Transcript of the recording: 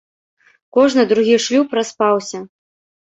Кожны другі шлюб распаўся.